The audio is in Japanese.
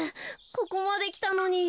ここまできたのに。